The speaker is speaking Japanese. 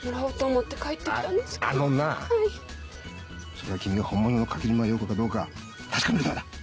それは君がホンモノの垣沼庸子かどうか確かめるためだ！